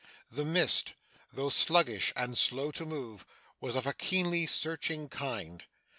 The mist, though sluggish and slow to move, was of a keenly searching kind.